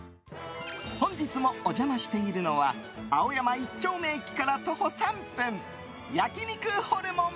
本日もお邪魔しているのは青山一丁目駅から徒歩３分焼肉ホルモン